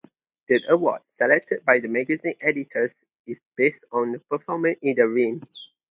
The award, selected by the magazine editors, is based on performance in the ring.